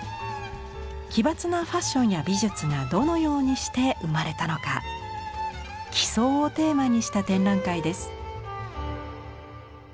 奇抜なファッションや美術がどのようにして生まれたのか奇想をテーマにした展覧会です。